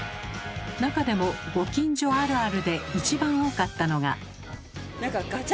中でもご近所あるあるで一番多かったのが。